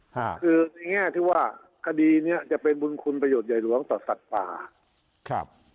คือในแง่ที่ว่าคดีเนี้ยจะเป็นบุญคุณประโยชน์ใหญ่หลวงต่อสัตว์ป่าครับ